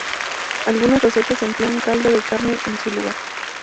Algunas recetas emplean caldo de carne en su lugar.